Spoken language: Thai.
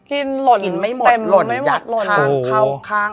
กินหมดไม่หมดหล่นหล่นหยัดข้าง